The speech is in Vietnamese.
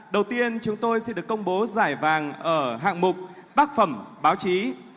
đầu tiên chúng tôi xin được công bố giải vàng ở hạng mục tác phẩm báo chí